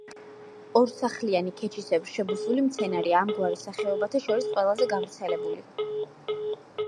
ორსახლიანი ქეჩისებრ შებუსული მცენარეა, ამ გვარის სახეობათა შორის ყველაზე გავრცელებული.